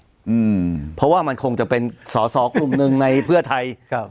อืมเพราะว่ามันคงจะเป็นสอสอกลุ่มหนึ่งในเพื่อไทยครับ